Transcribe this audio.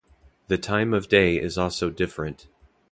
The time of day is also different.